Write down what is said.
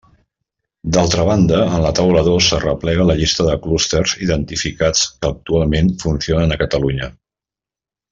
D'altra banda, en la taula dos s'arreplega la llista de clústers identificats que actualment funcionen a Catalunya.